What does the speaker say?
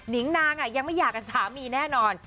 ิงนางยังไม่อยากกับสามีแน่นอน